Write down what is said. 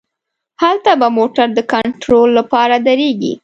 هلته به موټر د کنترول له پاره دریږي.